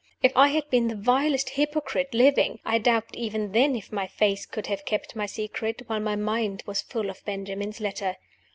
If I had been the vilest hypocrite living, I doubt even then if my face could have kept my secret while my mind was full of Benjamin's letter.